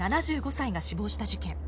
７５歳が死亡した事件。